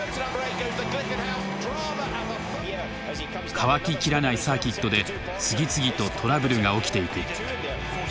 乾ききらないサーキットで次々とトラブルが起きてゆく。